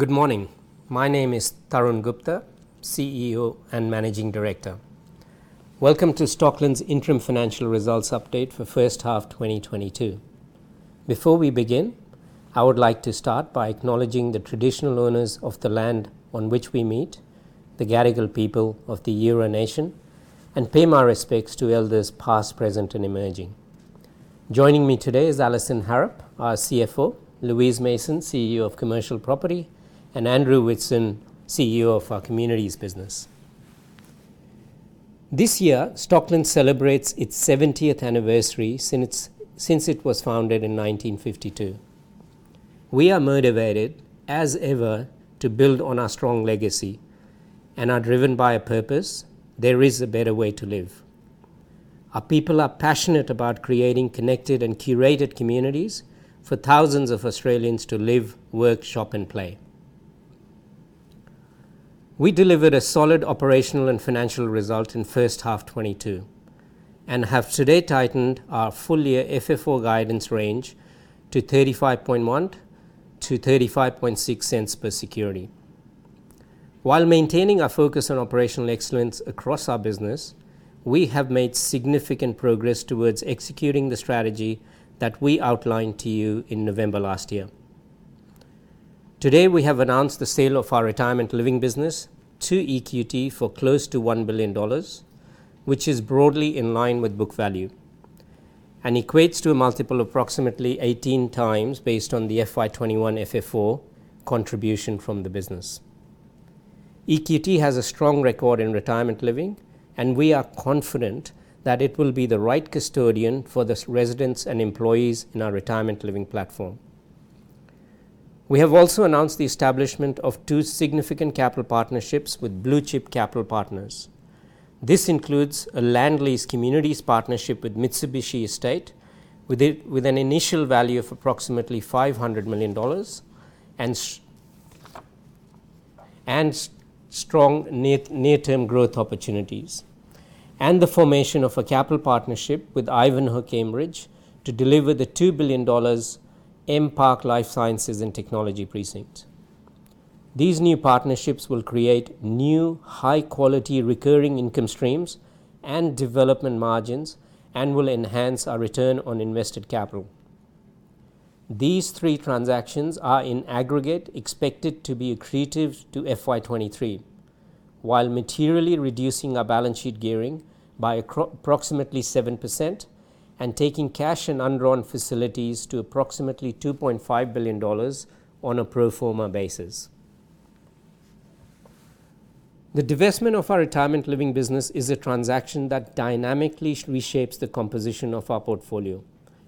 Good morning. My name is Tarun Gupta, CEO and Managing Director. Welcome to Stockland's interim financial results update for first half 2022. Before we begin, I would like to start by acknowledging the traditional owners of the land on which we meet, the Gadigal people of the Eora Nation, and pay my respects to elders past, present, and emerging. Joining me today is Alison Harrop, our CFO, Louise Mason, CEO of Commercial Property, and Andrew Whitson, CEO of our Communities business. This year, Stockland celebrates its 70th anniversary since it was founded in 1952. We are motivated as ever to build on our strong legacy and are driven by a purpose, there is a better way to live. Our people are passionate about creating connected and curated communities for thousands of Australians to live, work, shop, and play. We delivered a solid operational and financial result in first half 2022 and have today tightened our full year FFO guidance range to 35.1-35.6 cents per security. While maintaining our focus on operational excellence across our business, we have made significant progress towards executing the strategy that we outlined to you in November last year. Today, we have announced the sale of our retirement living business to EQT for close to 1 billion dollars, which is broadly in line with book value and equates to a multiple approximately 18x based on the FY 2021 FFO contribution from the business. EQT has a strong record in retirement living, and we are confident that it will be the right custodian for the residents and employees in our retirement living platform. We have also announced the establishment of two significant capital partnerships with blue-chip capital partners. This includes a land lease communities partnership with Mitsubishi Estate with an initial value of approximately 500 million dollars and strong near-term growth opportunities, and the formation of a capital partnership with Ivanhoé Cambridge to deliver the 2 billion dollars M_Park Life Sciences and Technology Precinct. These new partnerships will create new high-quality recurring income streams and development margins and will enhance our return on invested capital. These three transactions are in aggregate expected to be accretive to FY 2023, while materially reducing our balance sheet gearing by approximately 7% and taking cash and undrawn facilities to approximately 2.5 billion dollars on a pro forma basis. The divestment of our retirement living business is a transaction that dynamically reshapes the composition of our portfolio.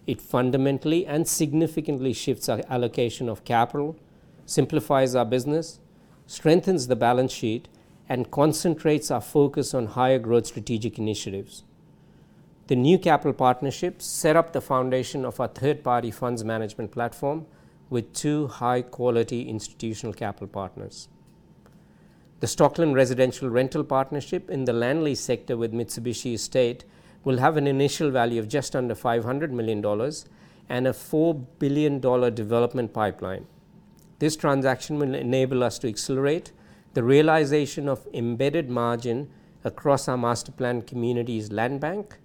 It fundamentally and significantly shifts our allocation of capital, simplifies our business, strengthens the balance sheet, and concentrates our focus on higher growth strategic initiatives. The new capital partnerships set up the foundation of our third-party funds management platform with two high-quality institutional capital partners. The Stockland Residential Rental Partnership in the land lease sector with Mitsubishi Estate will have an initial value of just under 500 million dollars and an 4 billion dollar development pipeline. This transaction will enable us to accelerate the realization of embedded margin across our master plan communities land bank,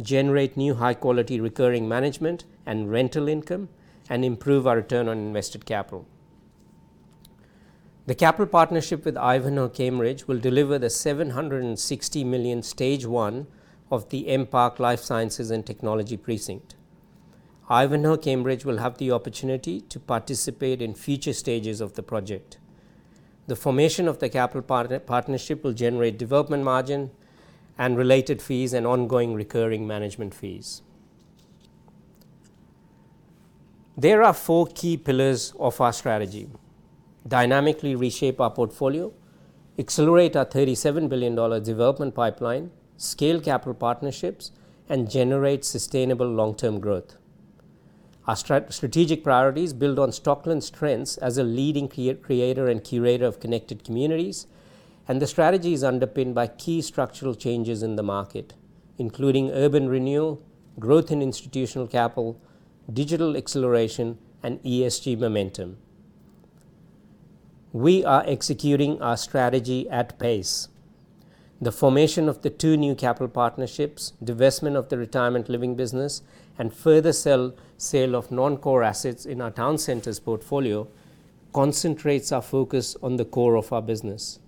generate new high-quality recurring management and rental income, and improve our return on invested capital. The capital partnership with Ivanhoé Cambridge will deliver the 760 million stage one of the M_Park Life Sciences and Technology Precinct. Ivanhoé Cambridge will have the opportunity to participate in future stages of the project. The formation of the capital partnership will generate development margin and related fees and ongoing recurring management fees. There are four key pillars of our strategy: dynamically reshape our portfolio, accelerate our 37 billion dollar development pipeline, scale capital partnerships, and generate sustainable long-term growth. Our strategic priorities build on Stockland's strengths as a leading creator and curator of connected communities, and the strategy is underpinned by key structural changes in the market, including urban renewal, growth in institutional capital, digital acceleration, and ESG momentum. We are executing our strategy at pace. The formation of the two new capital partnerships, divestment of the retirement living business, and further sale of non-core assets in our town centers portfolio concentrates our focus on the core of our business.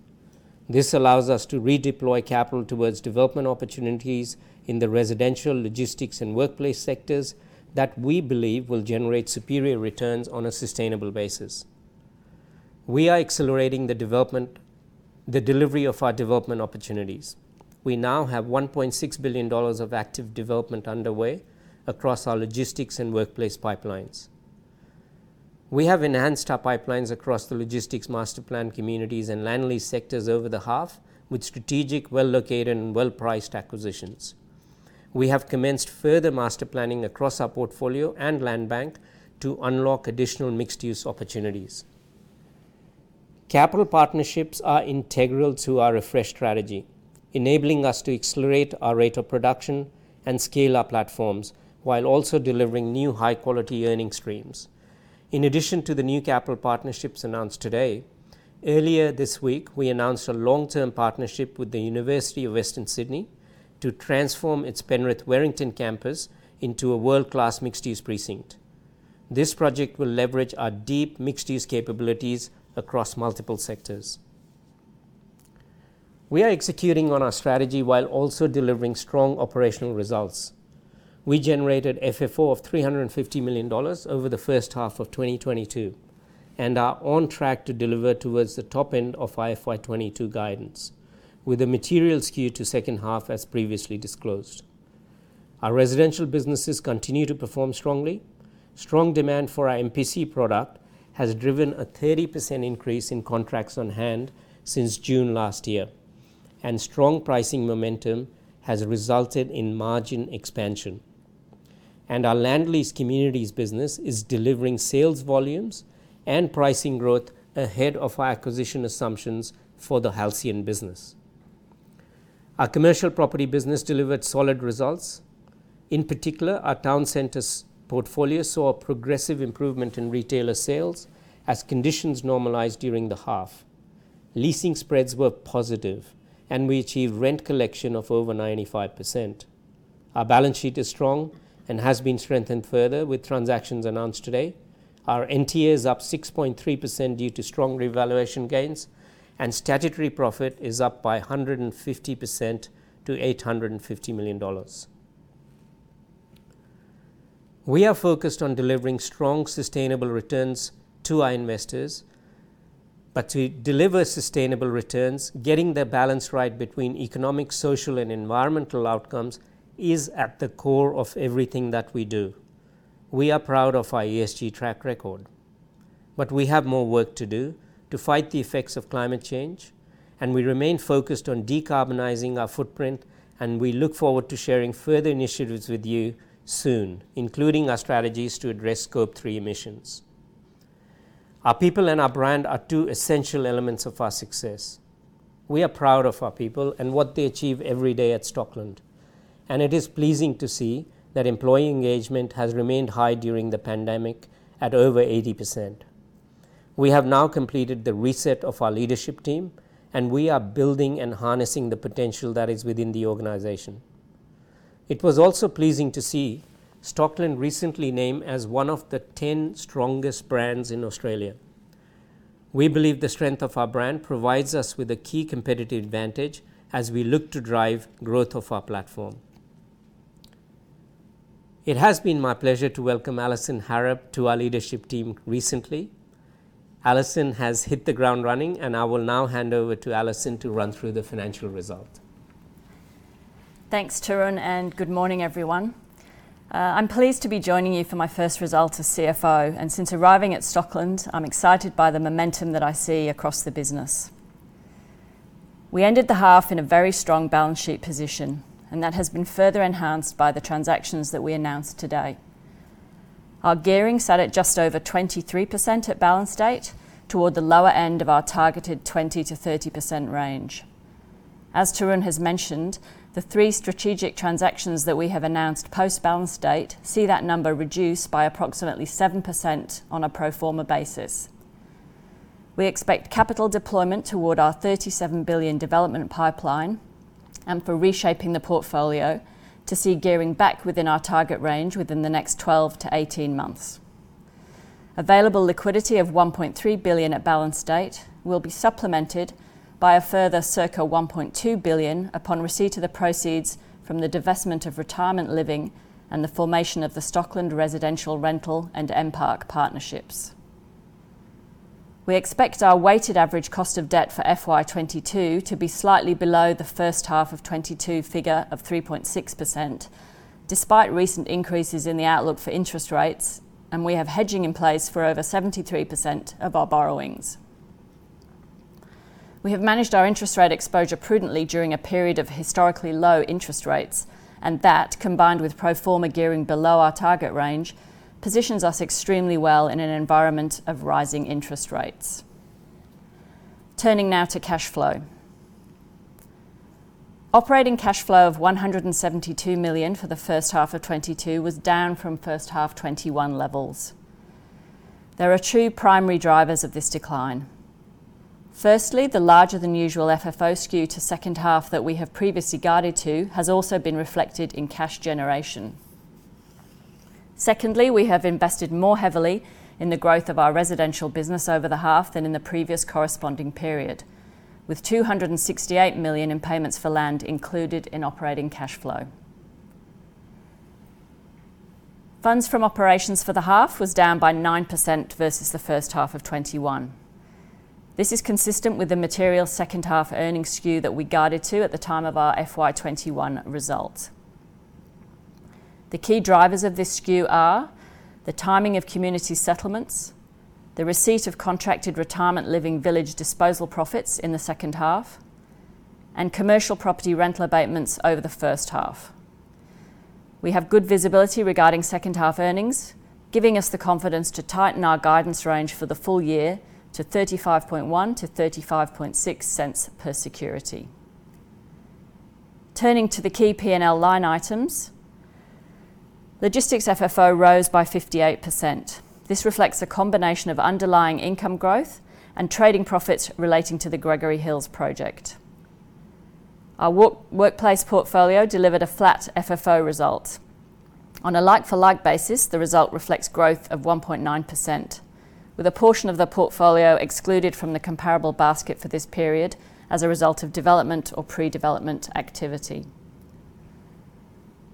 This allows us to redeploy capital towards development opportunities in the residential, logistics, and workplace sectors that we believe will generate superior returns on a sustainable basis. We are accelerating the delivery of our development opportunities. We now have 1.6 billion dollars of active development underway across our logistics and workplace pipelines. We have enhanced our pipelines across the logistics master plan communities and land lease sectors over the half with strategic, well-located, and well-priced acquisitions. We have commenced further master planning across our portfolio and land bank to unlock additional mixed-use opportunities. Capital partnerships are integral to our refreshed strategy, enabling us to accelerate our rate of production and scale our platforms, while also delivering new high quality earning streams. In addition to the new capital partnerships announced today, earlier this week, we announced a long-term partnership with Western Sydney University to transform its Penrith Werrington campus into a world-class mixed-use precinct. This project will leverage our deep mixed-use capabilities across multiple sectors. We are executing on our strategy while also delivering strong operational results. We generated FFO of 350 million dollars over the first half of 2022, and are on track to deliver towards the top end of our FY 2022 guidance, with a material skew to second half as previously disclosed. Our residential businesses continue to perform strongly. Strong demand for our MPC product has driven a 30% increase in contracts on hand since June last year, and strong pricing momentum has resulted in margin expansion. Our land lease communities business is delivering sales volumes and pricing growth ahead of our acquisition assumptions for the Halcyon business. Our commercial property business delivered solid results. In particular, our town centers portfolio saw a progressive improvement in retailer sales as conditions normalized during the half. Leasing spreads were positive, and we achieved rent collection of over 95%. Our balance sheet is strong and has been strengthened further with transactions announced today. Our NTA is up 6.3% due to strong revaluation gains, and statutory profit is up by 150% to AUD 850 million. We are focused on delivering strong, sustainable returns to our investors. To deliver sustainable returns, getting the balance right between economic, social, and environmental outcomes is at the core of everything that we do. We are proud of our ESG track record, but we have more work to do to fight the effects of climate change, and we remain focused on decarbonizing our footprint and we look forward to sharing further initiatives with you soon, including our strategies to address Scope three emissions. Our people and our brand are two essential elements of our success. We are proud of our people and what they achieve every day at Stockland, and it is pleasing to see that employee engagement has remained high during the pandemic at over 80%. We have now completed the reset of our leadership team, and we are building and harnessing the potential that is within the organization. It was also pleasing to see Stockland recently named as one of the 10 strongest brands in Australia. We believe the strength of our brand provides us with a key competitive advantage as we look to drive growth of our platform. It has been my pleasure to welcome Alison Harrop to our leadership team recently. Alison has hit the ground running, and I will now hand over to Alison to run through the financial result. Thanks, Tarun, and good morning, everyone. I'm pleased to be joining you for my first result as CFO, and since arriving at Stockland, I'm excited by the momentum that I see across the business. We ended the half in a very strong balance sheet position, and that has been further enhanced by the transactions that we announced today. Our gearing sat at just over 23% at balance date toward the lower end of our targeted 20%-30% range. As Tarun has mentioned, the three strategic transactions that we have announced post-balance date see that number reduced by approximately 7% on a pro forma basis. We expect capital deployment toward our 37 billion development pipeline and for reshaping the portfolio to see gearing back within our target range within the next 12-18 months. Available liquidity of 1.3 billion at balance date will be supplemented by a further circa 1.2 billion upon receipt of the proceeds from the divestment of retirement living and the formation of the Stockland Residential Rental and M_Park partnerships. We expect our weighted average cost of debt for FY 2022 to be slightly below the H1 2022 figure of 3.6% despite recent increases in the outlook for interest rates, and we have hedging in place for over 73% of our borrowings. We have managed our interest rate exposure prudently during a period of historically low interest rates, and that, combined with pro forma gearing below our target range, positions us extremely well in an environment of rising interest rates. Turning now to cash flow. Operating cash flow of 172 million for the first half of 2022 was down from first half 2021 levels. There are two primary drivers of this decline. Firstly, the larger than usual FFO skew to second half that we have previously guided to has also been reflected in cash generation. Secondly, we have invested more heavily in the growth of our residential business over the half than in the previous corresponding period, with 268 million in payments for land included in operating cash flow. Funds from operations for the half was down by 9% versus the first half of 2021. This is consistent with the material second half earnings skew that we guided to at the time of our FY 2021 result. The key drivers of this skew are the timing of community settlements, the receipt of contracted retirement living village disposal profits in the second half, and commercial property rental abatements over the first half. We have good visibility regarding second half earnings, giving us the confidence to tighten our guidance range for the full year to 0.351-0.356 per security. Turning to the key P&L line items, logistics FFO rose by 58%. This reflects a combination of underlying income growth and trading profits relating to the Gregory Hills project. Our workplace portfolio delivered a flat FFO result. On a like-for-like basis, the result reflects growth of 1.9%, with a portion of the portfolio excluded from the comparable basket for this period as a result of development or pre-development activity.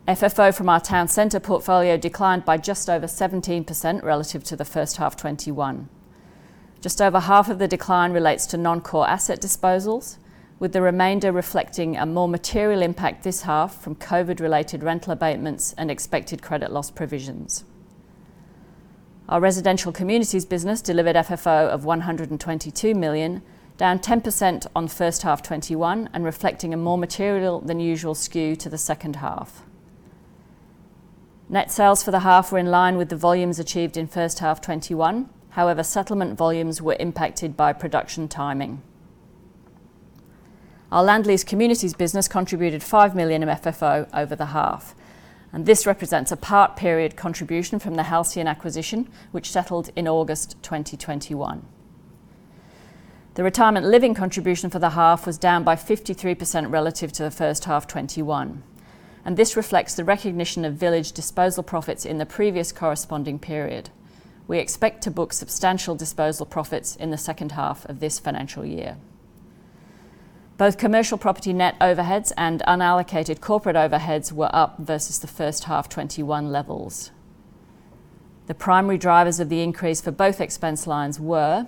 FFO from our town center portfolio declined by just over 17% relative to the first half 2021. Just over half of the decline relates to non-core asset disposals, with the remainder reflecting a more material impact this half from COVID-19-related rental abatements and expected credit loss provisions. Our residential communities business delivered FFO of 122 million, down 10% on first half 2021. Net sales for the half were in line with the volumes achieved in first half 2021. However, settlement volumes were impacted by production timing. Our land lease communities business contributed five million in FFO over the half, and this represents a part period contribution from the Halcyon acquisition, which settled in August 2021. The retirement living contribution for the half was down by 53% relative to the first half 2021, and this reflects the recognition of village disposal profits in the previous corresponding period. We expect to book substantial disposal profits in the second half of this financial year. Both commercial property net overheads and unallocated corporate overheads were up versus the first half 2021 levels. The primary drivers of the increase for both expense lines were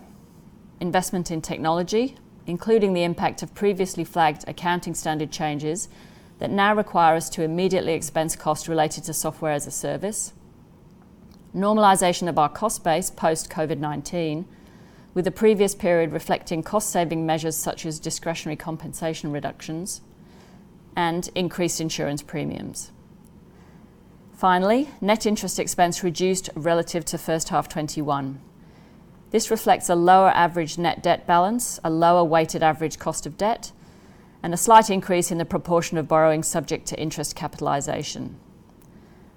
investment in technology, including the impact of previously flagged accounting standard changes that now require us to immediately expense costs related to software as a service, normalization of our cost base post COVID-19 with the previous period reflecting cost saving measures such as discretionary compensation reductions and increased insurance premiums. Finally, net interest expense reduced relative to first half 2021. This reflects a lower average net debt balance, a lower weighted average cost of debt, and a slight increase in the proportion of borrowing subject to interest capitalization.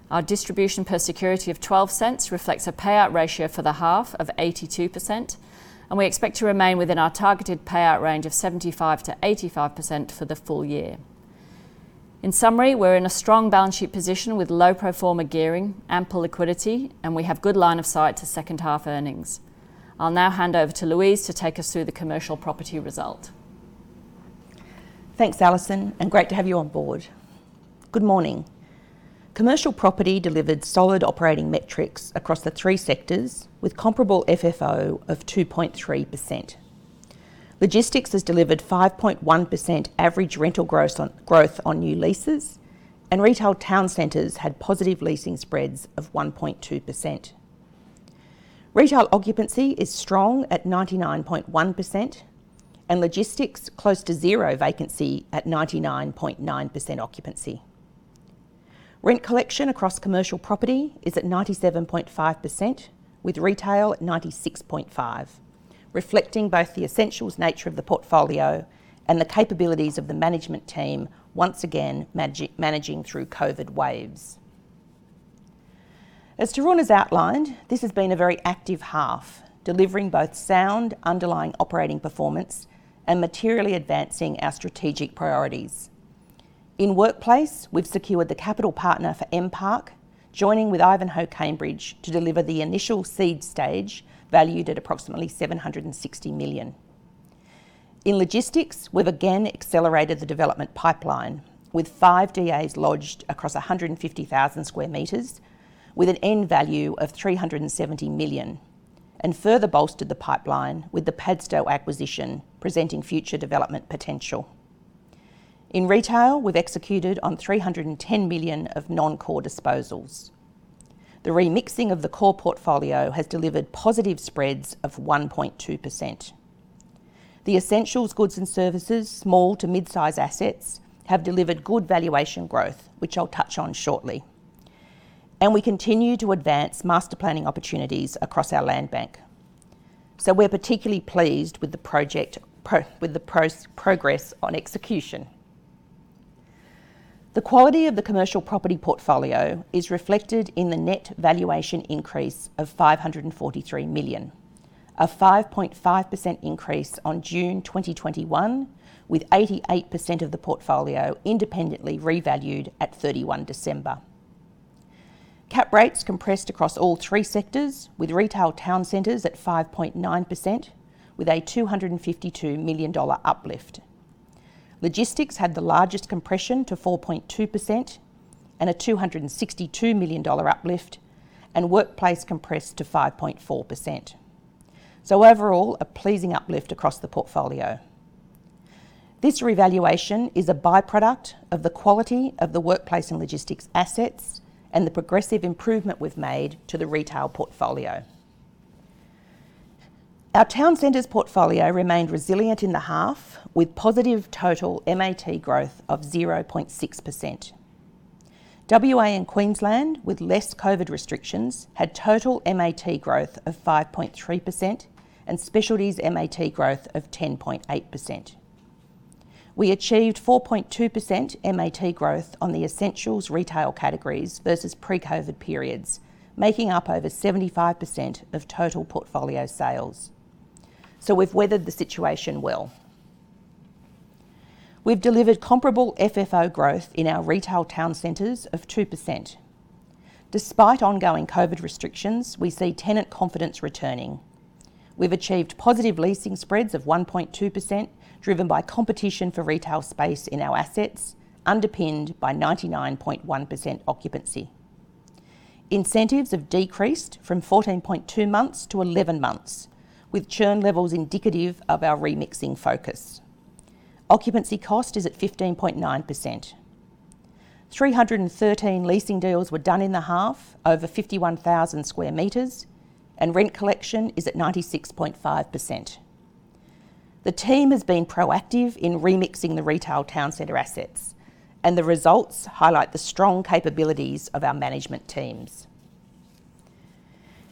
Our distribution per security of 0.12 reflects a payout ratio for the half of 82%, and we expect to remain within our targeted payout range of 75%-85% for the full year. In summary, we're in a strong balance sheet position with low pro forma gearing, ample liquidity, and we have good line of sight to second half earnings. I'll now hand over to Louise to take us through the commercial property result. Thanks, Alison, and great to have you on board. Good morning. Commercial Property delivered solid operating metrics across the three sectors with comparable FFO of 2.3%. Logistics has delivered 5.1% average rental growth on new leases and retail town centers had positive leasing spreads of 1.2%. Retail occupancy is strong at 99.1% and logistics close to zero vacancy at 99.9% occupancy. Rent collection across Commercial Property is at 97.5%, with retail at 96.5%, reflecting both the essential nature of the portfolio and the capabilities of the management team once again managing through COVID waves. As Tarun has outlined, this has been a very active half, delivering both sound underlying operating performance and materially advancing our strategic priorities. In Workplace, we've secured the capital partner for M_Park, joining with Ivanhoé Cambridge to deliver the initial seed stage, valued at approximately 760 million. In Logistics, we've again accelerated the development pipeline with five DAs lodged across 150,000 sq m with an end value of 370 million and further bolstered the pipeline with the Padstow acquisition presenting future development potential. In Retail, we've executed on 310 million of non-core disposals. The remixing of the core portfolio has delivered positive spreads of 1.2%. The essentials goods and services, small to mid-size assets, have delivered good valuation growth, which I'll touch on shortly. We continue to advance master planning opportunities across our land bank. We're particularly pleased with the progress on execution. The quality of the commercial property portfolio is reflected in the net valuation increase of 543 million, a 5.5% increase on June 2021, with 88% of the portfolio independently revalued at 31 December. Cap rates compressed across all three sectors with retail town centers at 5.9% with a 252 million dollar uplift. Logistics had the largest compression to 4.2% and a 262 million dollar uplift, and workplace compressed to 5.4%. Overall, a pleasing uplift across the portfolio. This revaluation is a by-product of the quality of the workplace and logistics assets and the progressive improvement we've made to the retail portfolio. Our town centers portfolio remained resilient in the half with positive total MAT growth of 0.6%. WA and Queensland, with less COVID restrictions, had total MAT growth of 5.3% and specialties MAT growth of 10.8%. We achieved 4.2% MAT growth on the essentials retail categories versus pre-COVID periods, making up over 75% of total portfolio sales. We've weathered the situation well. We've delivered comparable FFO growth in our retail town centers of 2%. Despite ongoing COVID restrictions, we see tenant confidence returning. We've achieved positive leasing spreads of 1.2%, driven by competition for retail space in our assets, underpinned by 99.1% occupancy. Incentives have decreased from 14.2 months to 11 months, with churn levels indicative of our remixing focus. Occupancy cost is at 15.9%. 313 leasing deals were done in the half, over 51,000 sq m, and rent collection is at 96.5%. The team has been proactive in remixing the retail town center assets, and the results highlight the strong capabilities of our management teams.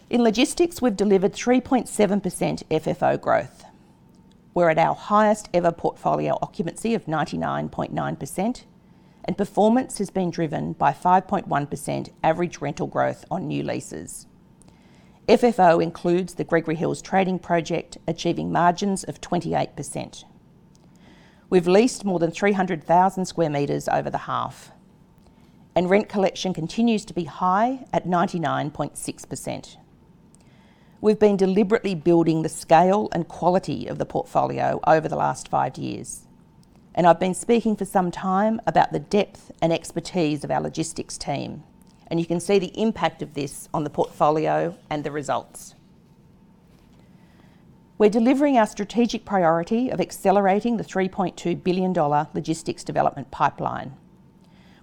In logistics, we've delivered 3.7% FFO growth. We're at our highest ever portfolio occupancy of 99.9%, and performance has been driven by 5.1% average rental growth on new leases. FFO includes the Gregory Hills trading project achieving margins of 28%. We've leased more than 300,000 sq m over the half, and rent collection continues to be high at 99.6%. We've been deliberately building the scale and quality of the portfolio over the last five years, and I've been speaking for some time about the depth and expertise of our logistics team, and you can see the impact of this on the portfolio and the results. We're delivering our strategic priority of accelerating the 3.2 billion dollar logistics development pipeline.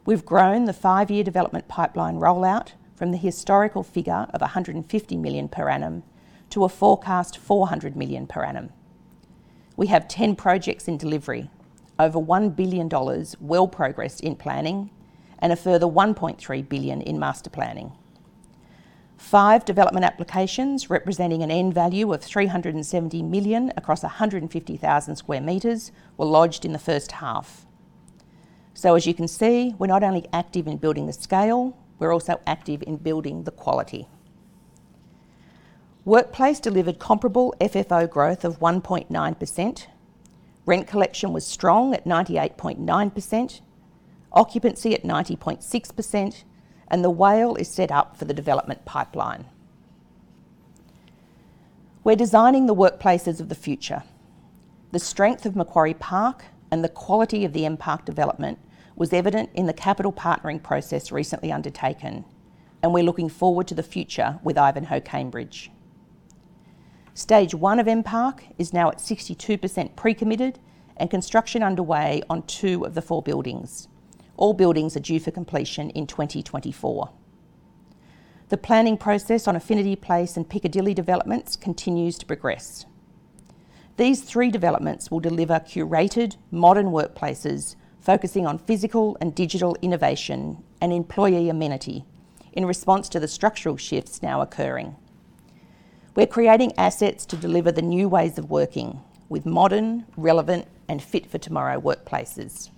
We've grown the five-year development pipeline rollout from the historical figure of 150 million per annum to a forecast 400 million per annum. We have 10 projects in delivery, over 1 billion dollars well progressed in planning, and a further 1.3 billion in master planning. Five development applications representing an end value of 370 million across 150,000 sq m were lodged in the first half. As you can see, we're not only active in building the scale, we're also active in building the quality. Workplace delivered comparable FFO growth of 1.9%. Rent collection was strong at 98.9%, occupancy at 90.6%, and the WALE is set up for the development pipeline. We're designing the workplaces of the future. The strength of Macquarie Park and the quality of the M_Park development was evident in the capital partnering process recently undertaken, and we're looking forward to the future with Ivanhoé Cambridge. Stage 1 of M_Park is now at 62% pre-committed and construction underway on two of the four buildings. All buildings are due for completion in 2024. The planning process on Affinity Place and Piccadilly developments continues to progress. These three developments will deliver curated modern workplaces focusing on physical and digital innovation and employee amenity in response to the structural shifts now occurring. We're creating assets to deliver the new ways of working with modern, relevant and fit for tomorrow workplaces.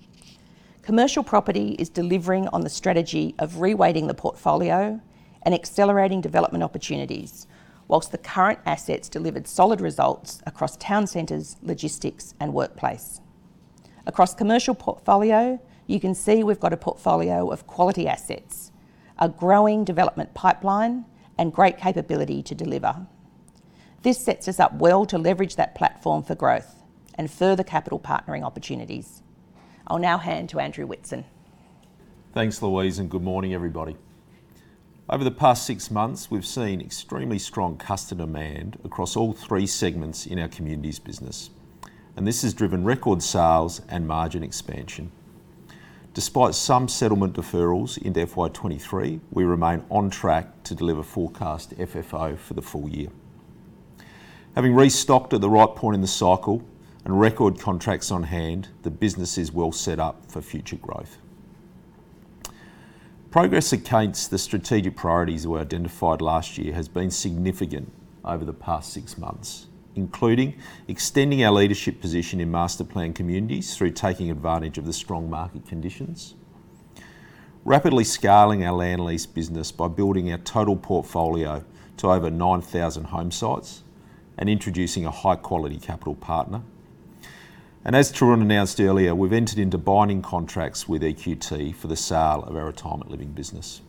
Commercial Property is delivering on the strategy of reweighting the portfolio and accelerating development opportunities, while the current assets delivered solid results across town centers, logistics and workplace. Across Commercial Property portfolio, you can see we've got a portfolio of quality assets, a growing development pipeline and great capability to deliver. This sets us up well to leverage that platform for growth and further capital partnering opportunities. I'll now hand to Andrew Whitson. Thanks, Louise, and good morning, everybody. Over the past six months, we've seen extremely strong customer demand across all three segments in our communities business, and this has driven record sales and margin expansion. Despite some settlement deferrals into FY 2023, we remain on track to deliver forecast FFO for the full year. Having restocked at the right point in the cycle and record contracts on hand, the business is well set up for future growth. Progress against the strategic priorities we identified last year has been significant over the past six months, including extending our leadership position in master plan communities through taking advantage of the strong market conditions, rapidly scaling our land lease business by building our total portfolio to over 9,000 home sites and introducing a high quality capital partner. As Tarun announced earlier, we've entered into binding contracts with EQT for the sale of our retirement living business.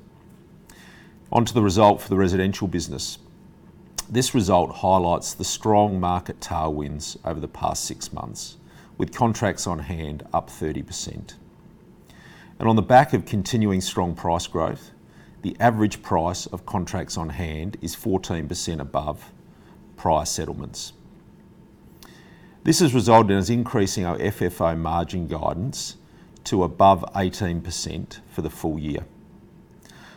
On to the result for the residential business. This result highlights the strong market tailwinds over the past six months, with contracts on hand up 30%. On the back of continuing strong price growth, the average price of contracts on hand is 14% above prior settlements. This has resulted in us increasing our FFO margin guidance to above 18% for the full year.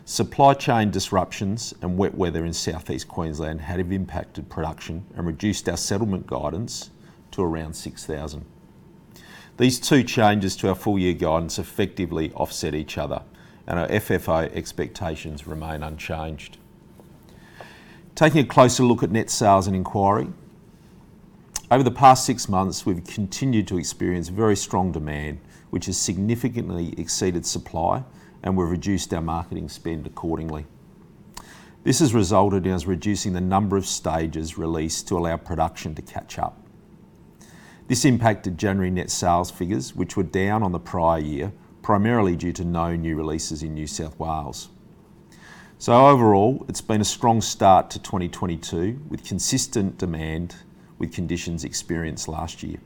Supply chain disruptions and wet weather in Southeast Queensland have impacted production and reduced our settlement guidance to around 6,000. These two changes to our full-year guidance effectively offset each other, and our FFO expectations remain unchanged. Taking a closer look at net sales and inquiry. Over the past six months, we've continued to experience very strong demand, which has significantly exceeded supply, and we've reduced our marketing spend accordingly. This has resulted in us reducing the number of stages released to allow production to catch up. This impacted January net sales figures, which were down on the prior year, primarily due to no new releases in New South Wales. Overall, it's been a strong start to 2022 with consistent demand with conditions experienced last year.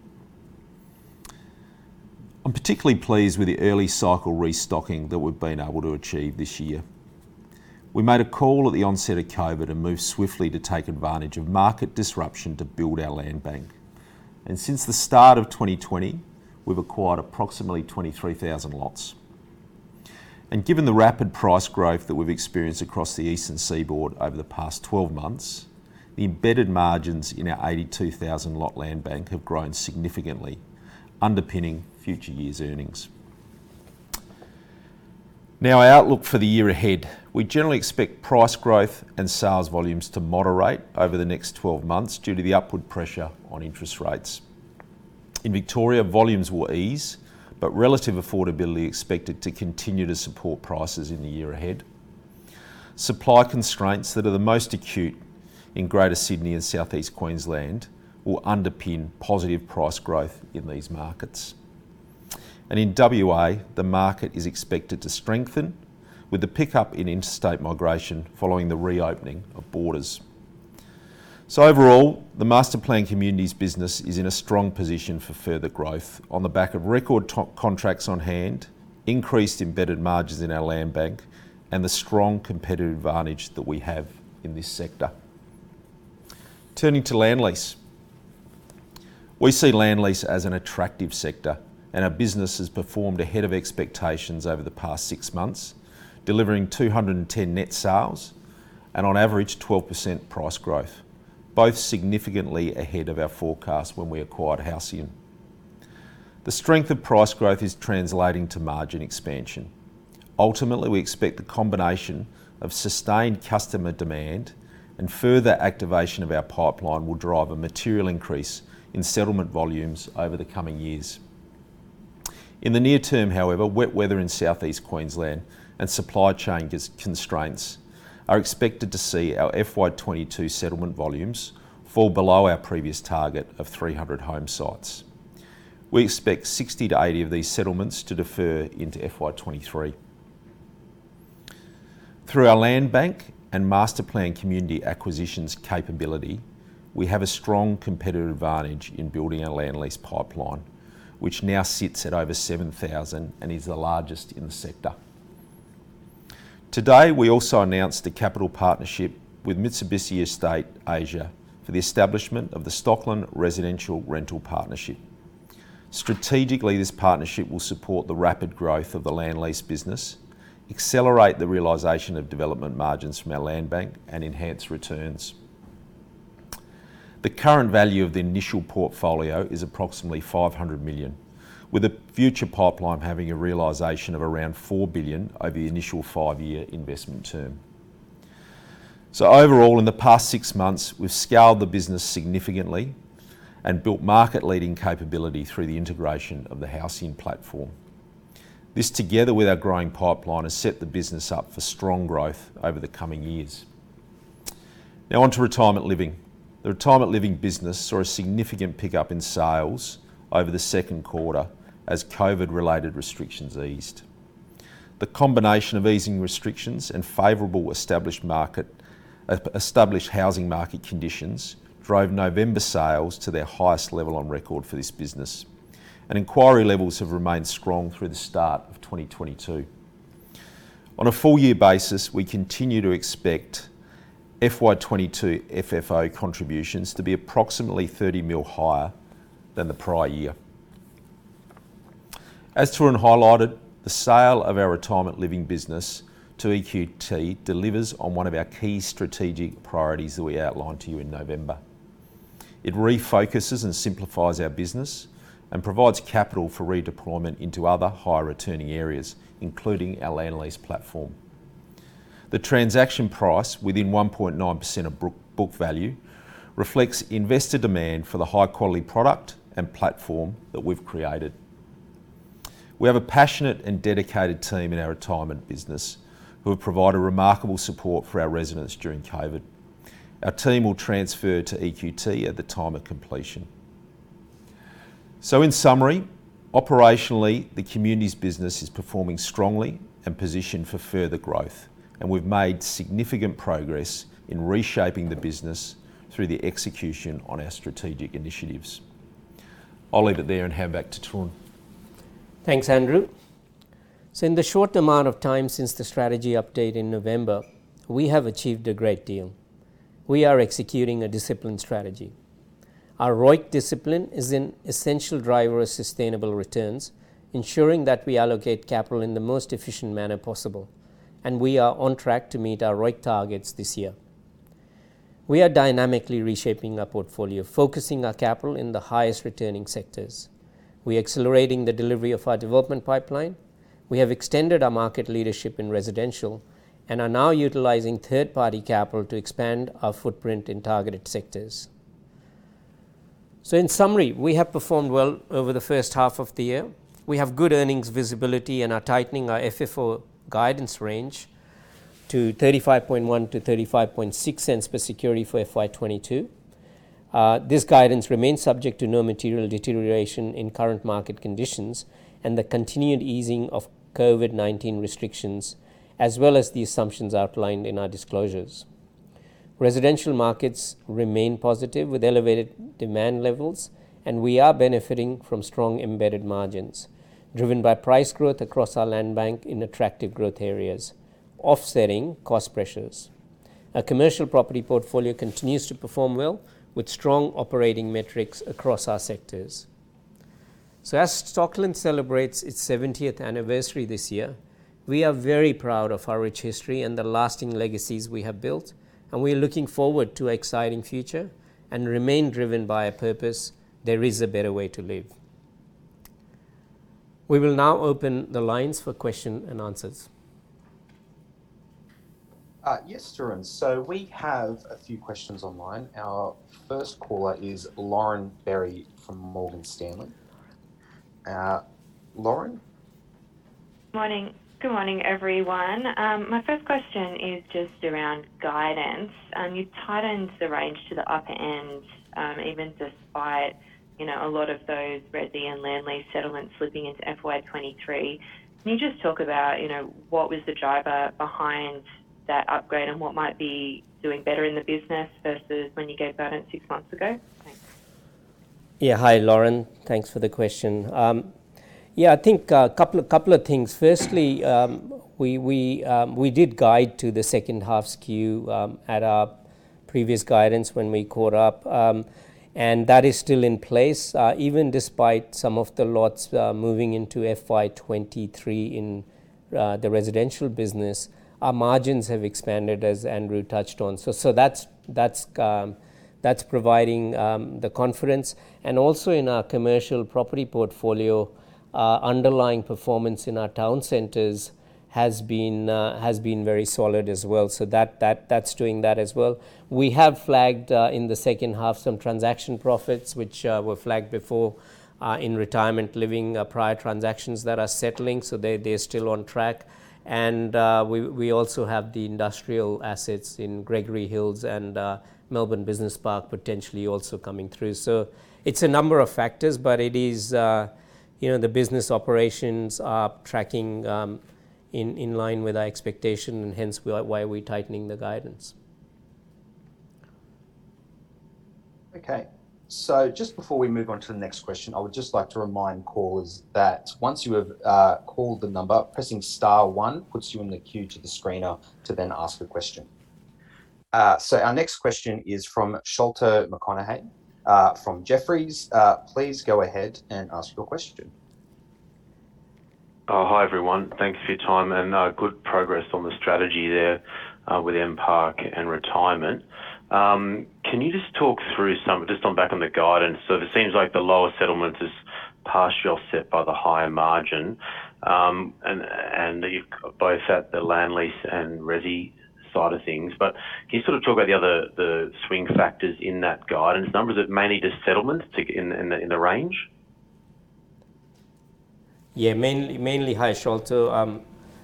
I'm particularly pleased with the early cycle restocking that we've been able to achieve this year. We made a call at the onset of COVID and moved swiftly to take advantage of market disruption to build our land bank. Since the start of 2020, we've acquired approximately 23,000 lots. Given the rapid price growth that we've experienced across the eastern seaboard over the past 12 months, the embedded margins in our 82,000 lot land bank have grown significantly, underpinning future years' earnings. Now, our outlook for the year ahead. We generally expect price growth and sales volumes to moderate over the next 12 months due to the upward pressure on interest rates. In Victoria, volumes will ease, but relative affordability expected to continue to support prices in the year ahead. Supply constraints that are the most acute in Greater Sydney and Southeast Queensland will underpin positive price growth in these markets. In WA, the market is expected to strengthen with the pickup in interstate migration following the reopening of borders. Overall, the Masterplan Communities business is in a strong position for further growth on the back of record top contracts on hand, increased embedded margins in our land bank, and the strong competitive advantage that we have in this sector. Turning to Land Lease. We see Land Lease as an attractive sector, and our business has performed ahead of expectations over the past six months, delivering 210 net sales and on average 12% price growth, both significantly ahead of our forecast when we acquired Halcyon. The strength of price growth is translating to margin expansion. Ultimately, we expect the combination of sustained customer demand and further activation of our pipeline will drive a material increase in settlement volumes over the coming years. In the near term, however, wet weather in Southeast Queensland and supply chain constraints are expected to see our FY 2022 settlement volumes fall below our previous target of 300 home sites. We expect 60-80 of these settlements to defer into FY 2023. Through our land bank and Masterplan Community acquisitions capability, we have a strong competitive advantage in building our land lease pipeline, which now sits at over 7,000 and is the largest in the sector. Today, we also announced a capital partnership with Mitsubishi Estate Asia for the establishment of the Stockland Residential Rental Partnership. Strategically, this partnership will support the rapid growth of the land lease business, accelerate the realization of development margins from our land bank, and enhance returns. The current value of the initial portfolio is approximately 500 million, with a future pipeline having a realization of around four billion over the initial five-year investment term. Overall, in the past six months, we've scaled the business significantly and built market-leading capability through the integration of the Halcyon platform. This, together with our growing pipeline, has set the business up for strong growth over the coming years. Now on to Retirement Living. The Retirement Living business saw a significant pickup in sales over the second quarter as COVID-related restrictions eased. The combination of easing restrictions and favorable established housing market conditions drove November sales to their highest level on record for this business. Inquiry levels have remained strong through the start of 2022. On a full year basis, we continue to expect FY 2022 FFO contributions to be approximately 30 million higher than the prior year. As Tarun highlighted, the sale of our Retirement Living business to EQT delivers on one of our key strategic priorities that we outlined to you in November. It refocuses and simplifies our business and provides capital for redeployment into other higher returning areas, including our land lease platform. The transaction price within 1.9% of book value reflects investor demand for the high-quality product and platform that we've created. We have a passionate and dedicated team in our retirement business who have provided remarkable support for our residents during COVID. Our team will transfer to EQT at the time of completion. In summary, operationally, the Communities business is performing strongly and positioned for further growth. We've made significant progress in reshaping the business through the execution on our strategic initiatives. I'll leave it there and hand back to Tarun. Thanks, Andrew. In the short amount of time since the strategy update in November, we have achieved a great deal. We are executing a disciplined strategy. Our ROIC discipline is an essential driver of sustainable returns, ensuring that we allocate capital in the most efficient manner possible, and we are on track to meet our ROIC targets this year. We are dynamically reshaping our portfolio, focusing our capital in the highest returning sectors. We are accelerating the delivery of our development pipeline. We have extended our market leadership in residential and are now utilizing third-party capital to expand our footprint in targeted sectors. In summary, we have performed well over the first half of the year. We have good earnings visibility and are tightening our FFO guidance range to 0.351-0.356 per security for FY 2022. This guidance remains subject to no material deterioration in current market conditions and the continued easing of COVID-19 restrictions, as well as the assumptions outlined in our disclosures. Residential markets remain positive with elevated demand levels, and we are benefiting from strong embedded margins, driven by price growth across our land bank in attractive growth areas, offsetting cost pressures. Our commercial property portfolio continues to perform well, with strong operating metrics across our sectors. As Stockland celebrates its seventieth anniversary this year, we are very proud of our rich history and the lasting legacies we have built, and we are looking forward to an exciting future and remain driven by a purpose. There is a better way to live. We will now open the lines for question and answers. Yes, Tarun. We have a few questions online. Our first caller is Lauren Berry from Morgan Stanley. Lauren? Morning. Good morning, everyone. My first question is just around guidance. You tightened the range to the upper end, even despite, you know, a lot of those resi and land lease settlements slipping into FY 2023. Can you just talk about, you know, what was the driver behind that upgrade and what might be doing better in the business versus when you gave guidance six months ago? Thanks. Yeah. Hi, Lauren. Thanks for the question. I think a couple of things. Firstly, we did guide to the second half skew at our previous guidance when we caught up, and that is still in place. Even despite some of the lots moving into FY 2023 in the residential business, our margins have expanded, as Andrew touched on. That's providing the confidence. Also in our commercial property portfolio, underlying performance in our town centers has been very solid as well. That's doing that as well. We have flagged in the second half some transaction profits which were flagged before in retirement living prior transactions that are settling, so they're still on track. We also have the industrial assets in Gregory Hills and Melbourne Business Park potentially also coming through. It's a number of factors, but it is the business operations are tracking in line with our expectation and hence why we're tightening the guidance. Okay. Just before we move on to the next question, I would just like to remind callers that once you have called the number, pressing star one puts you in the queue to the screener to then ask a question. Our next question is from Sholto Maconochie from Jefferies. Please go ahead and ask your question. Oh, hi, everyone. Thank you for your time, and good progress on the strategy there with M_Park and Retirement. Can you just talk through just on back to the guidance. It seems like the lower settlement is partially offset by the higher margin, and you've both at the land lease and resi side of things. Can you sort of talk about the other, the swing factors in that guidance numbers? Are they mainly just settlements to go in the range? Mainly. Hi, Sholto.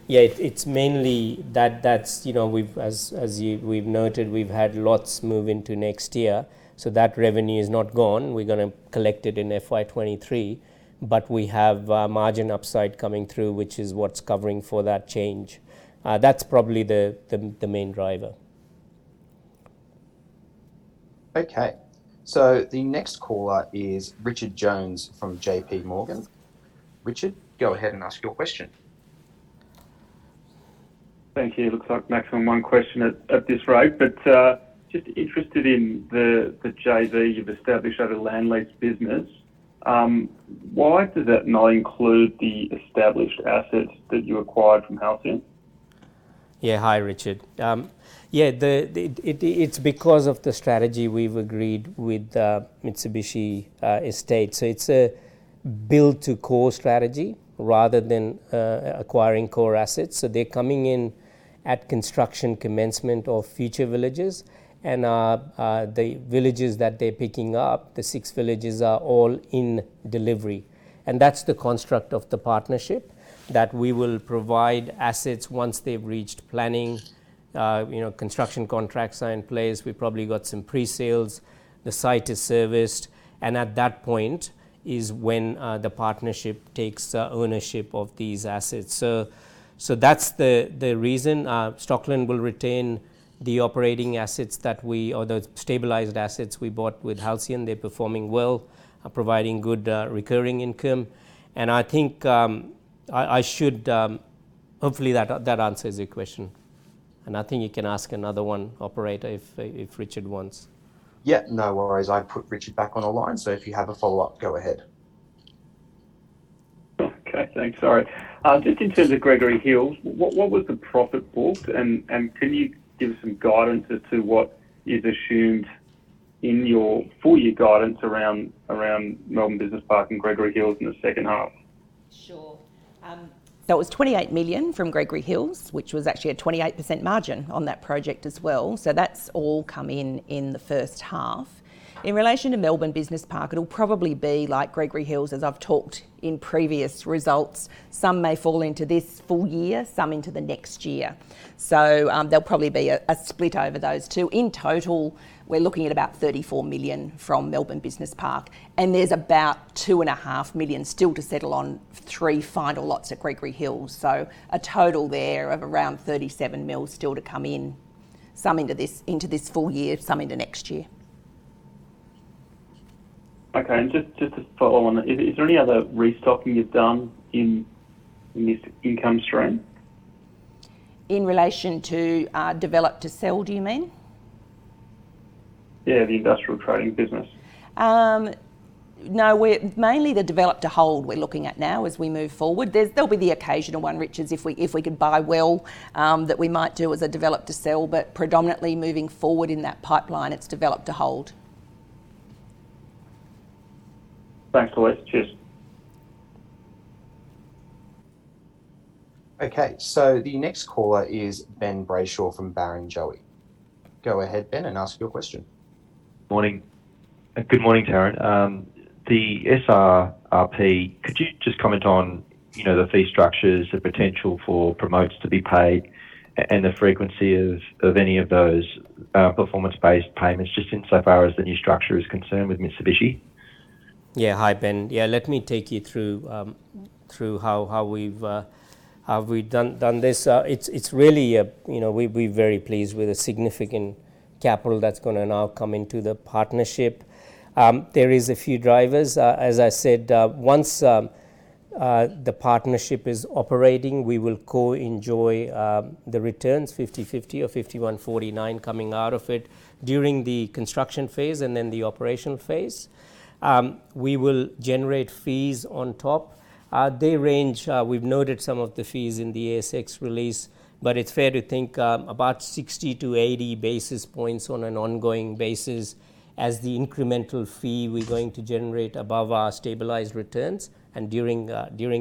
Yeah, it's mainly that. That's, you know, we've noted, we've had lots move into next year, so that revenue is not gone. We're gonna collect it in FY 2023, but we have margin upside coming through, which is what's covering for that change. That's probably the main driver. Okay. The next caller is Richard Jones from JP Morgan. Richard, go ahead and ask your question. Thank you. It looks like maximum one question at this rate. Just interested in the JV you've established out of the land lease business. Why does that not include the established assets that you acquired from Halcyon? Yeah. Hi, Richard. Yeah, it's because of the strategy we've agreed with Mitsubishi Estate. It's a build-to-core strategy rather than acquiring core assets. They're coming in at construction commencement of future villages and the villages that they're picking up, the six villages are all in delivery. That's the construct of the partnership, that we will provide assets once they've reached planning, you know, construction contracts are in place. We've probably got some pre-sales. The site is serviced. At that point is when the partnership takes ownership of these assets. That's the reason Stockland will retain the operating assets that we or the stabilized assets we bought with Halcyon. They're performing well, providing good recurring income. I think I should. Hopefully that answers your question. I think you can ask another one, operator, if Richard wants. Yeah, no worries. I've put Richard back on the line, so if you have a follow-up, go ahead. Okay, thanks. Sorry. Just in terms of Gregory Hills, what was the profit booked? Can you give us some guidance as to what is assumed in your full-year guidance around Melbourne Business Park and Gregory Hills in the second half? Sure. That was 28 million from Gregory Hills, which was actually a 28% margin on that project as well. That's all come in in the first half. In relation to Melbourne Business Park, it'll probably be like Gregory Hills, as I've talked in previous results. Some may fall into this full year, some into the next year. There'll probably be a split over those two. In total, we're looking at about 34 million from Melbourne Business Park, and there's about 2.5 million still to settle on three final lots at Gregory Hills. A total there of around 37 million still to come in. Some into this full year, some into next year. Okay. Just to follow on that, is there any other restocking you've done in this income stream? In relation to, develop to sell, do you mean? Yeah, the industrial trading business. No. Mainly the develop to hold we're looking at now as we move forward. There'll be the occasional one, Richard, if we could buy well, that we might do as a develop to sell, but predominantly moving forward in that pipeline, it's develop to hold. Thanks, Louise. Cheers. Okay. So the next caller is Ben Brayshaw from Barrenjoey. Go ahead, Ben, and ask your question. Morning. Good morning, Tarun. The SRRP, could you just comment on, you know, the fee structures, the potential for promotes to be paid and the frequency of any of those performance-based payments, just insofar as the new structure is concerned with Mitsubishi? Yeah. Hi, Ben. Yeah, let me take you through how we've done this. It's really, you know, we're very pleased with the significant capital that's gonna now come into the partnership. There is a few drivers. As I said, once the partnership is operating, we will co-enjoy the returns 50/50 or 51/49 coming out of it during the construction phase and then the operational phase. We will generate fees on top. They range, we've noted some of the fees in the ASX release, but it's fair to think about 60-80 basis points on an ongoing basis as the incremental fee we're going to generate above our stabilized returns and during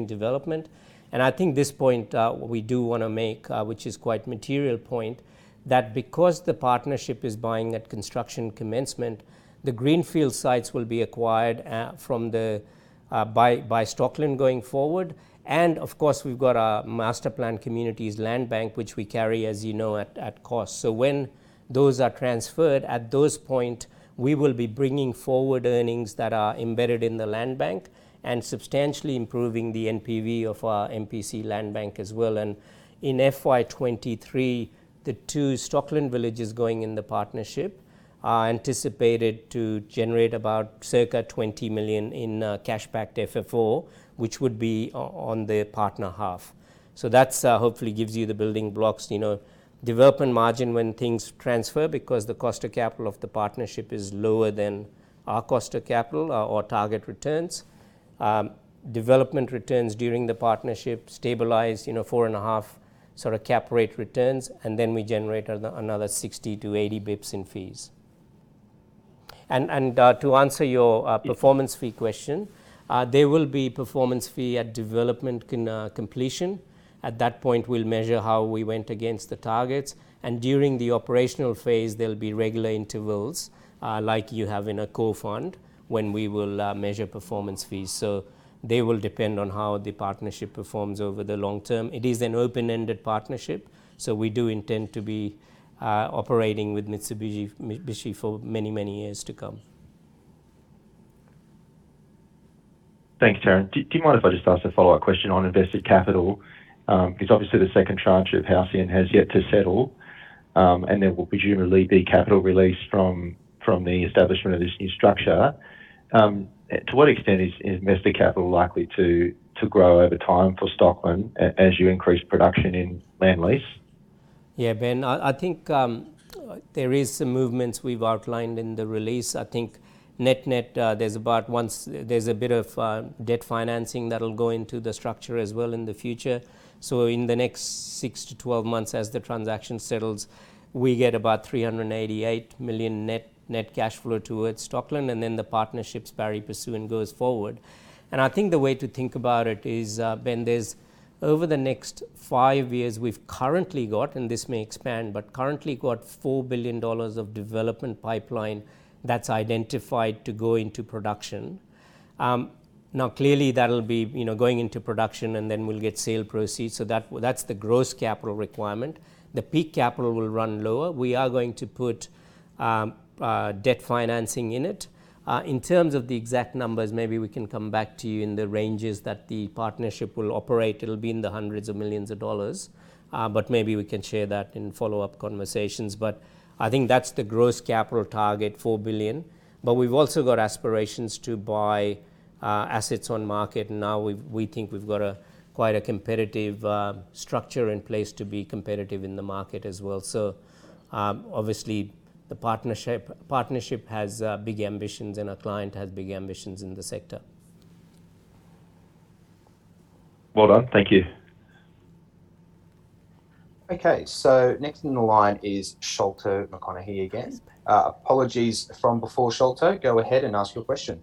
development. I think at this point we do wanna make, which is quite material point, that because the partnership is buying at construction commencement, the greenfield sites will be acquired by the partnership from Stockland going forward. Of course, we've got our master plan communities land bank, which we carry, as you know, at cost. When those are transferred, at that point, we will be bringing forward earnings that are embedded in the land bank and substantially improving the NPV of our MPC land bank as well. In FY 2023, the two Stockland villages going in the partnership are anticipated to generate about circa 20 million in cash backed FFO, which would be on the partner half. That's hopefully gives you the building blocks, you know, development margin when things transfer because the cost of capital of the partnership is lower than our cost of capital or target returns. Development returns during the partnership stabilize, you know, 4.5 sort of cap rate returns, and then we generate another 60-80 basis points in fees. To answer your performance fee question, there will be performance fee at development completion. At that point, we'll measure how we went against the targets. During the operational phase, there'll be regular intervals like you have in a co-fund when we will measure performance fees. They will depend on how the partnership performs over the long term. It is an open-ended partnership, so we do intend to be operating with Mitsubishi for many, many years to come. Thanks, Tarun. Do you mind if I just ask a follow-up question on invested capital? Because obviously the second tranche of Halcyon has yet to settle, and there will presumably be capital release from the establishment of this new structure. To what extent is invested capital likely to grow over time for Stockland as you increase production in land lease? Yeah, Ben. I think there is some movements we've outlined in the release. I think net-net, there's a bit of debt financing that'll go into the structure as well in the future. In the next six-12 months as the transaction settles, we get about 388 million net cash flow towards Stockland, and then the partnerships carry pursuant goes forward. I think the way to think about it is, Ben, there's over the next five years, we've currently got, and this may expand, but got 4 billion dollars of development pipeline that's identified to go into production. Clearly that'll be going into production and then we'll get sale proceeds, so that's the gross capital requirement. The peak capital will run lower. We are going to put debt financing in it. In terms of the exact numbers, maybe we can come back to you in the ranges that the partnership will operate. It'll be AUD hundreds of millions, but maybe we can share that in follow-up conversations. I think that's the gross capital target, four billion. We've also got aspirations to buy assets on the market now. We think we've got quite a competitive structure in place to be competitive in the market as well. Obviously the partnership has big ambitions and our client has big ambitions in the sector. Well done. Thank you. Okay. Next in the line is Sholto Maconochie again. Apologies from before, Sholto. Go ahead and ask your question.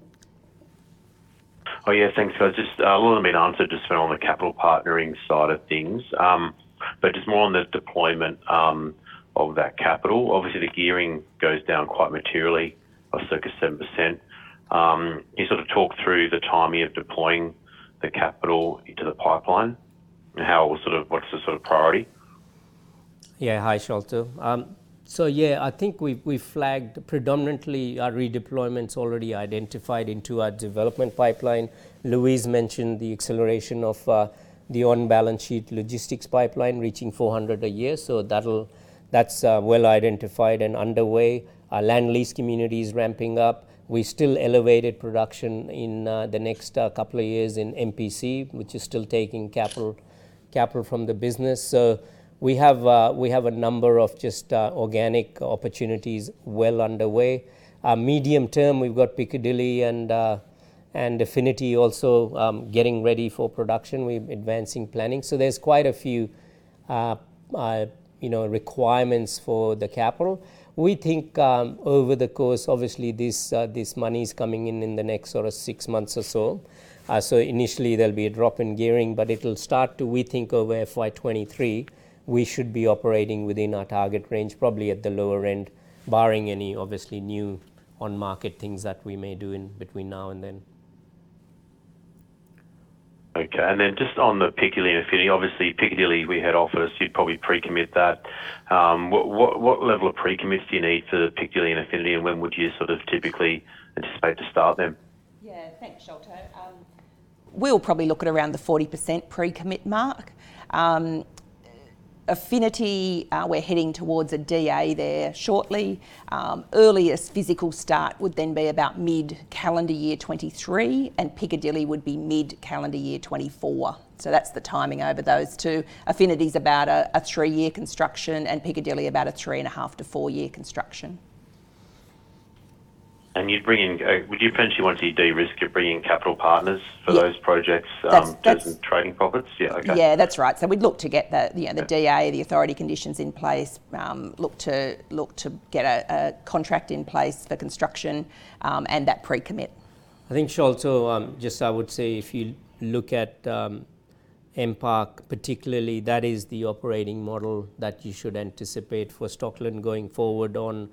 Oh yeah, thanks. Just, a lot has been answered just on the capital partnering side of things, but just more on the deployment of that capital. Obviously, the gearing goes down quite materially by circa 7%. Can you sort of talk through the timing of deploying the capital into the pipeline and what's the sort of priority? Hi, Sholto. I think we've flagged predominantly our redeployments already identified into our development pipeline. Louise mentioned the acceleration of the on-balance sheet logistics pipeline reaching 400 a year. That's well identified and underway. Our land lease community is ramping up. We still elevated production in the next couple of years in MPC, which is still taking capital from the business. We have a number of just organic opportunities well underway. Medium term, we've got Piccadilly and Affinity also getting ready for production. We're advancing planning. There's quite a few, you know, requirements for the capital. We think, over the course, obviously this money's coming in in the next sort of 6 months or so. Initially there'll be a drop in gearing, but it'll start to, we think over FY 2023, we should be operating within our target range, probably at the lower end, barring any obviously new on market things that we may do in between now and then. Okay. Just on the Piccadilly and Affinity, obviously Piccadilly we had offers, you'd probably pre-commit that. What level of pre-commit do you need for Piccadilly and Affinity, and when would you sort of typically anticipate to start them? Yeah. Thanks, Sholto. We'll probably look at around the 40% pre-commit mark. Affinity, we're heading towards a DA there shortly. Earliest physical start would then be about mid calendar year 2023, and Piccadilly would be mid calendar year 2024. That's the timing over those two. Affinity's about a 3-year construction and Piccadilly about a 3.5-four-year construction. Would you potentially want to de-risk it, bringing in capital partners? Yeah for those projects, That's. Just trading profits? Yeah. Okay. Yeah, that's right. We'd look to get the Yeah the DA, the authority conditions in place, look to get a contract in place for construction, and that pre-commit. I think, Sholto, just I would say if you look at M_Park particularly, that is the operating model that you should anticipate for Stockland going forward on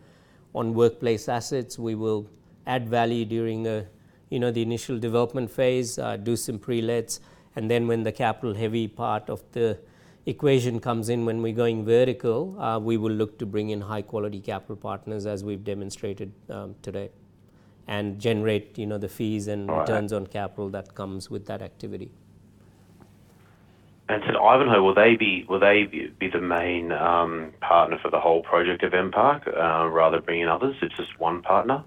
workplace assets. We will add value during the, you know, the initial development phase, do some pre-lets, and then when the capital heavy part of the equation comes in, when we're going vertical, we will look to bring in high quality capital partners as we've demonstrated, today and generate, you know, the fees and. All right. Returns on capital that comes with that activity. To Ivanhoé, will they be the main partner for the whole project of M_Park rather than bring in others? It's just one partner?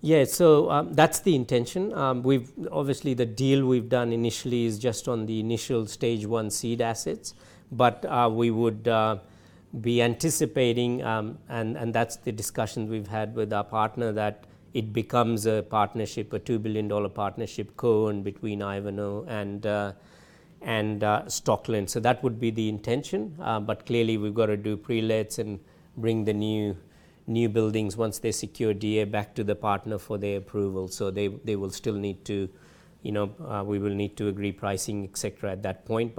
Yeah. That's the intention. Obviously the deal we've done initially is just on the initial stage 1 seed assets. We would be anticipating, and that's the discussions we've had with our partner, that it becomes a partnership, a 2 billion dollar partnership co-owned between Ivanhoé and Stockland. That would be the intention. Clearly we've got to do pre-lets and bring the new buildings once they secure DA back to the partner for their approval. They will still need to, you know, we will need to agree pricing, et cetera, at that point.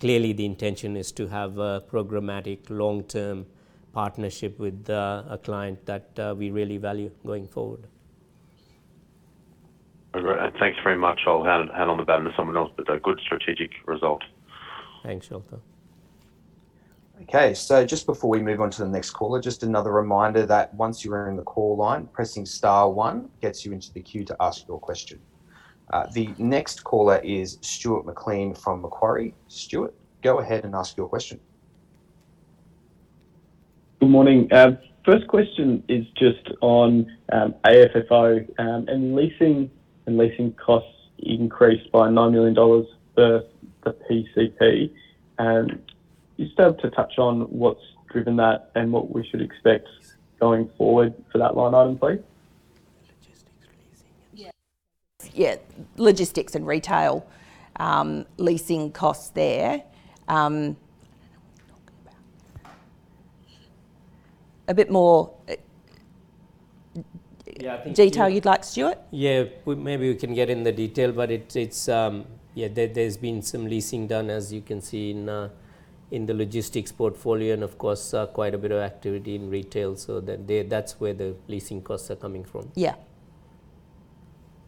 Clearly the intention is to have a programmatic long-term partnership with a client that we really value going forward. All right. Thanks very much. I'll hand the baton to someone else. A good strategic result. Thanks, Sholto. Okay. Just before we move on to the next caller, just another reminder that once you are in the call line, pressing star one gets you into the queue to ask your question. The next caller is Stuart McLean from Macquarie. Stuart, go ahead and ask your question. Good morning. First question is just on AFFO and leasing costs increased by 9 million dollars for the PCP. Just to touch on what's driven that and what we should expect going forward for that line item, please. Logistics, leasing, and retail. Yeah. Logistics and retail, leasing costs there. I don't know what he's talking about. A bit more, Yeah. I think.... detail you'd like, Stuart? Yeah. We maybe can get in the detail, but it's, yeah, there's been some leasing done as you can see in the logistics portfolio, and of course, quite a bit of activity in retail, so that's where the leasing costs are coming from. Yeah.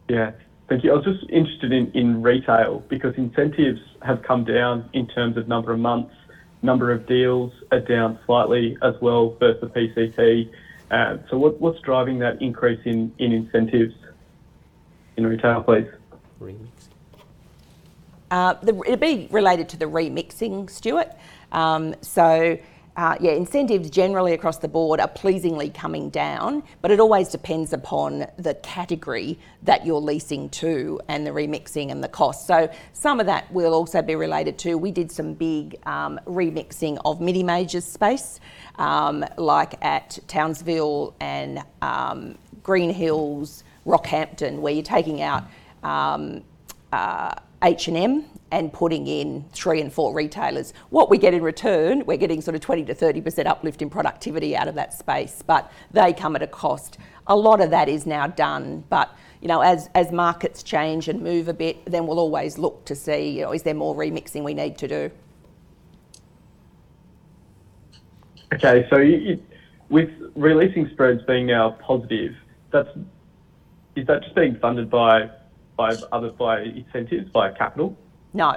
Yeah. Thank you. I was just interested in retail, because incentives have come down in terms of number of months, number of deals are down slightly as well versus PCP. What's driving that increase in incentives in retail, please? Remixing. It'd be related to the remixing, Stuart. Incentives generally across the board are pleasingly coming down, but it always depends upon the category that you're leasing to and the remixing and the cost. Some of that will also be related to. We did some big remixing of mini majors space, like at Townsville and Green Hills, Rockhampton, where you're taking out H&M and putting in three and four retailers. What we get in return, we're getting sort of 20%-30% uplift in productivity out of that space, but they come at a cost. A lot of that is now done, but you know, as markets change and move a bit, then we'll always look to see, you know, is there more remixing we need to do. With re-leasing spreads being now positive, is that just being funded by other, by incentives, by capital? No.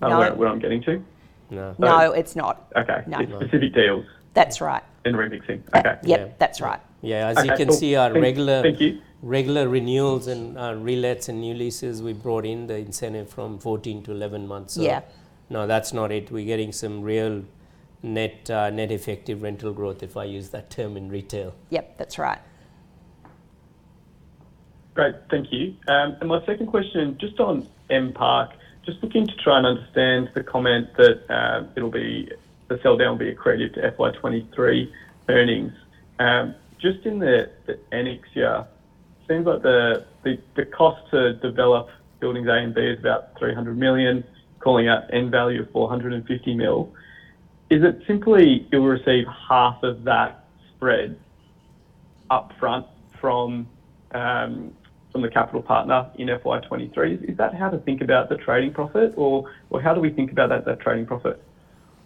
That's not where I'm getting to? No. No, it's not. Okay. No. It's specific deals. That's right. remixing. Okay. Yep, that's right. Yeah. As you can see. Okay. Cool. Thanks.... our regular- Thank you. Regular renewals and relets and new leases, we've brought in the incentive from 14 to 11 months. Yeah No, that's not it. We're getting some real net effective rental growth, if I use that term, in retail. Yep, that's right. Great. Thank you. My second question, just on M_Park, just looking to try and understand the comment that, it'll be, the sell down will be accretive to FY 2023 earnings. Just in the annex here, seems like the cost to develop buildings A and B is about 300 million, calling out end value of 450 million. Is it simply you'll receive half of that spread upfront from the capital partner in FY 2023? Is that how to think about the trading profit? Or how do we think about that trading profit?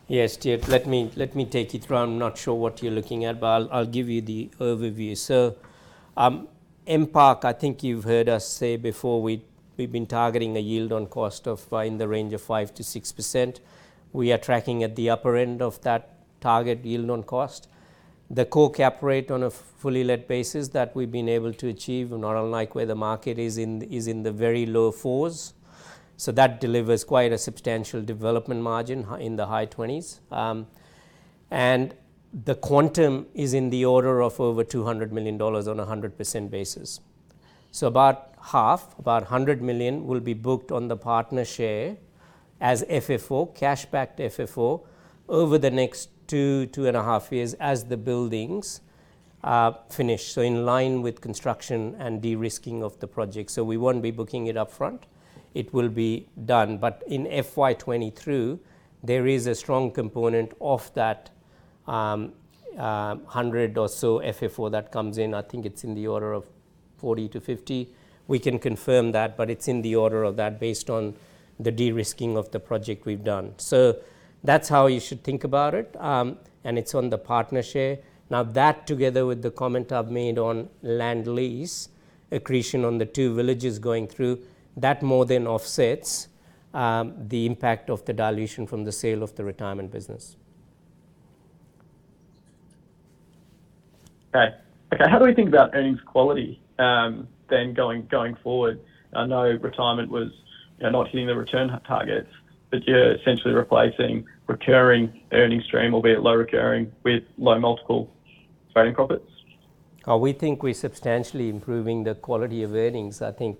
Yes, Jeff, let me take it. I'm not sure what you're looking at, but I'll give you the overview. M_Park, I think you've heard us say before we've been targeting a yield on cost in the range of 5%-6%. We are tracking at the upper end of that target yield on cost. The go-cap rate on a fully let basis that we've been able to achieve are not unlike where the market is in the very low 4s. That delivers quite a substantial development margin in the high 20s%. The quantum is in the order of over 200 million dollars on a 100% basis. About half, about 100 million will be booked on the partner share as FFO, cash-backed FFO, over the next two and a half years as the buildings finish. In line with construction and de-risking of the project. We won't be booking it upfront. It will be done. In FY 2023, there is a strong component of that 100 or so FFO that comes in. I think it's in the order of 40-50. We can confirm that, but it's in the order of that based on the de-risking of the project we've done. That's how you should think about it. It's on the partner share. Now that, together with the comment I've made on land lease, accretion on the two villages going through, that more than offsets the impact of the dilution from the sale of the retirement business. Okay, how do we think about earnings quality, then going forward? I know retirement was, you know, not hitting the return targets, but you're essentially replacing recurring earnings stream, albeit low recurring, with low multiple trading profits. We think we're substantially improving the quality of earnings. I think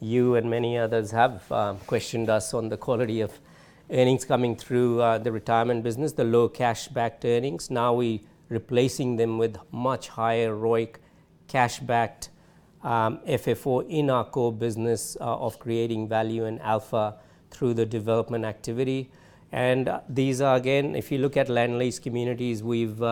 you and many others have questioned us on the quality of earnings coming through the retirement business, the low cash-backed earnings. Now we're replacing them with much higher ROIC cash-backed FFO in our core business of creating value and alpha through the development activity. These are again, if you look at land lease communities, we've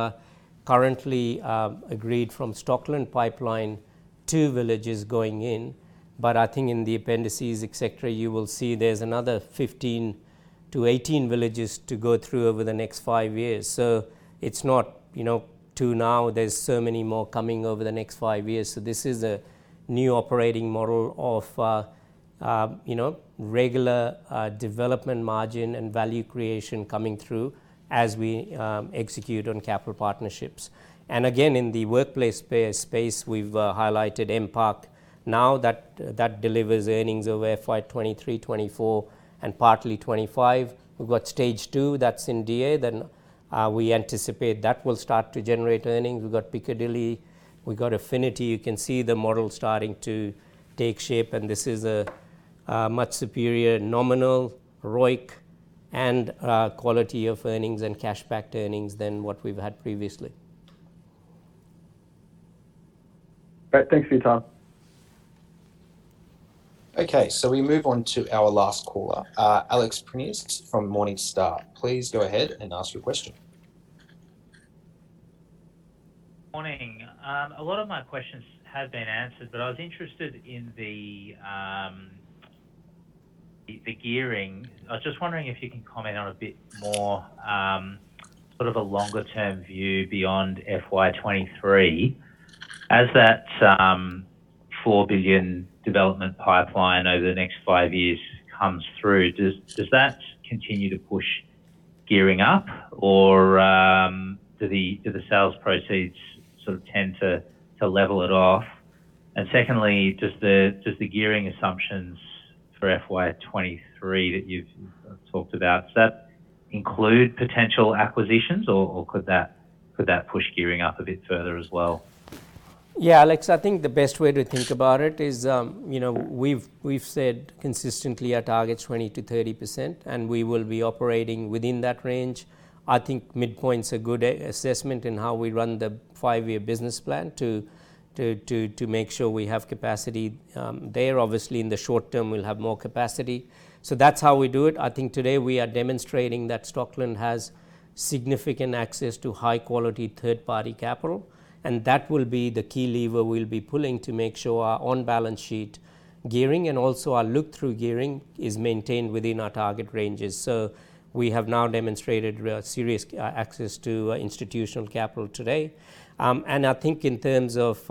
currently agreed from Stockland pipeline two villages going in. I think in the appendices, et cetera, you will see there's another 15-18 villages to go through over the next five years. It's not, you know, two now, there's so many more coming over the next five years. This is a new operating model of, you know, regular, development margin and value creation coming through as we, execute on capital partnerships. Again, in the workplace space, we've highlighted M_Park. Now that delivers earnings over FY 2023, 2024, and partly 2025. We've got stage two, that's in DA. Then, we anticipate that will start to generate earnings. We've got Piccadilly, we got Affinity. You can see the model starting to take shape, and this is a much superior nominal ROIC and quality of earnings and cash-backed earnings than what we've had previously. Great. Thanks, Tarun. Okay, we move on to our last caller. Alex Prineas from Morningstar, please go ahead and ask your question. Morning. A lot of my questions have been answered, but I was interested in the gearing. I was just wondering if you can comment on a bit more sort of a longer term view beyond FY 2023. As that four billion development pipeline over the next five years comes through, does that continue to push gearing up? Or do the sales proceeds sort of tend to level it off? And secondly, does the gearing assumptions for FY 2023 that you've talked about include potential acquisitions or could that push gearing up a bit further as well? Yeah, Alex, I think the best way to think about it is, you know, we've said consistently our target's 20%-30%, and we will be operating within that range. I think midpoint's a good assessment in how we run the five-year business plan to make sure we have capacity there. Obviously, in the short term we'll have more capacity. That's how we do it. I think today we are demonstrating that Stockland has significant access to high quality third party capital, and that will be the key lever we'll be pulling to make sure our on-balance sheet gearing and also our look-through gearing is maintained within our target ranges. We have now demonstrated serious access to institutional capital today. I think in terms of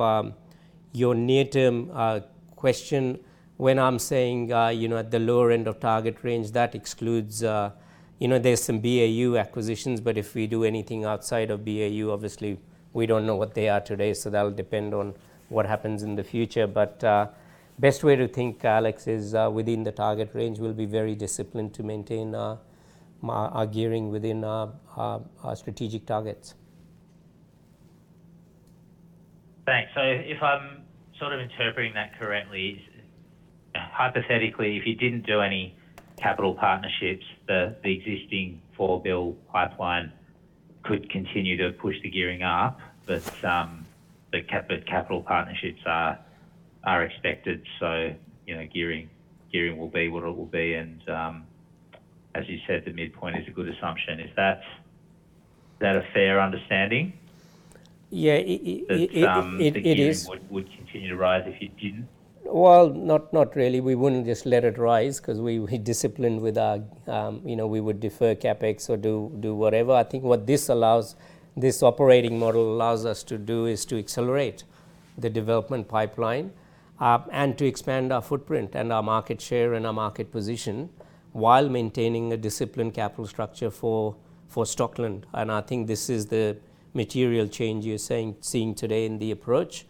your near-term question, when I'm saying, you know, at the lower end of target range, that excludes, you know, there's some BAU acquisitions, but if we do anything outside of BAU, obviously we don't know what they are today, so that'll depend on what happens in the future. Best way to think, Alex, is within the target range, we'll be very disciplined to maintain our gearing within our strategic targets. Thanks. If I'm sort of interpreting that correctly, hypothetically, if you didn't do any capital partnerships, the existing AUD 4 billion pipeline could continue to push the gearing up. But the capital partnerships are expected, you know, gearing will be what it will be. As you said, the midpoint is a good assumption. Is that a fair understanding? Yeah. It is. That, the gearing would continue to rise if you didn't. Well, not really. We wouldn't just let it rise 'cause we're disciplined with our. You know, we would defer CapEx or do whatever. I think what this allows, this operating model allows us to do is to accelerate the development pipeline, and to expand our footprint and our market share and our market position while maintaining a disciplined capital structure for Stockland. I think this is the material change you're seeing today in the approach,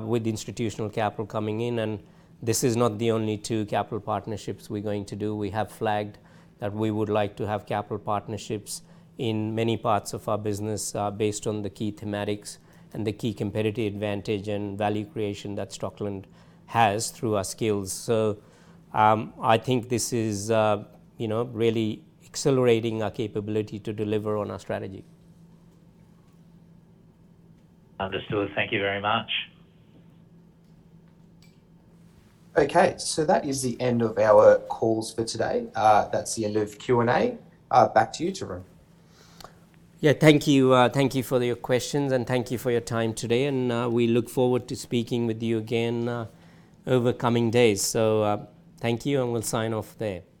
with institutional capital coming in. This is not the only two capital partnerships we're going to do. We have flagged that we would like to have capital partnerships in many parts of our business, based on the key thematics and the key competitive advantage and value creation that Stockland has through our skills. I think this is, you know, really accelerating our capability to deliver on our strategy. Understood. Thank you very much. Okay. That is the end of our calls for today. That's the end of Q&A. Back to you, Tarun. Yeah. Thank you. Thank you for your questions, and thank you for your time today. We look forward to speaking with you again, over coming days. Thank you, and we'll sign off there.